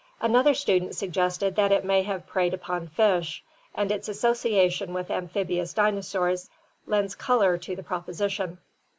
Another student suggested that it may have preyed upon fish, and its association with amphibious dinosaurs lends color to the proposition.